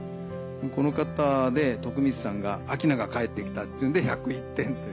この方で徳光さんが「明菜が帰ってきた」っていうんで１０１点という。